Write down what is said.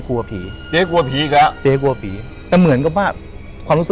ว้าย